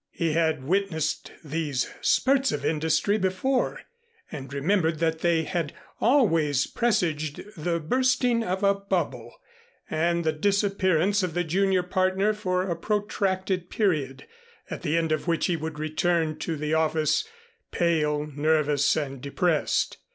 He had witnessed these spurts of industry before and remembered that they had always presaged the bursting of a bubble and the disappearance of the junior partner for a protracted period, at the end of which he would return to the office, pale, nervous and depressed.